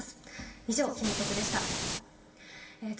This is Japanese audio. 以上、ひもとくっでした。